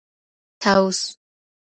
طاوس